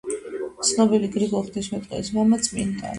ცნობილი გრიგოლი ღვთისმეტყველის მამა, წმინდანი.